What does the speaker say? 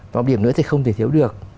và một điểm nữa thì không thể thiếu được